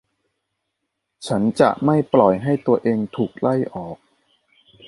ฉันจะไม่ปล่อยให้ตัวเองถูกไล่ออก